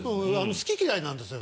好き嫌いなんですよ。